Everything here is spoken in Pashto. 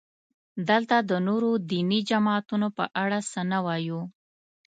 دلته د نورو دیني جماعتونو په اړه څه نه وایو.